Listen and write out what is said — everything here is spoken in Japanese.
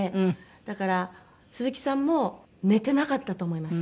だから鈴木さんも寝てなかったと思います。